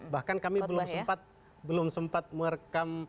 bahkan kami belum sempat merekam